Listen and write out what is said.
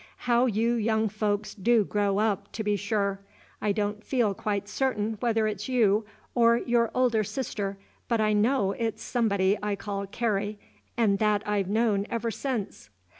How you young folks do grow up, to be sure! I don't feel quite certain whether it's you or your older sister, but I know it 's somebody I call Carrie, and that I 've known ever since."